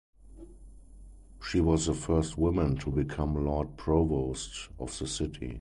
She was the first woman to become Lord Provost of the city.